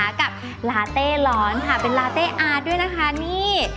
กับลาเต้ร้อนค่ะเป็นลาเต้อาร์ตด้วยนะคะนี่